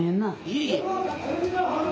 いえいえ。